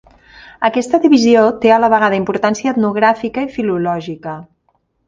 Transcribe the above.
Aquesta divisió té a la vegada importància etnogràfica i filològica.